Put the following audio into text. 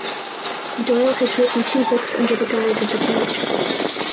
Doyle has written two books under the guise of the character.